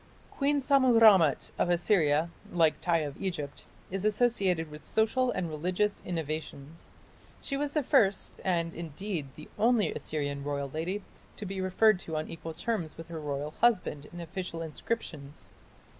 Queen Sammu rammat of Assyria, like Tiy of Egypt, is associated with social and religious innovations. She was the first, and, indeed, the only Assyrian royal lady, to be referred to on equal terms with her royal husband in official inscriptions.